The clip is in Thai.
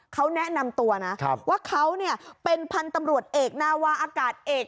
เขาแนะนำตัวนะว่าเขาเนี่ยเป็นพันธุ์ตำรวจเอกนาวาอากาศเอก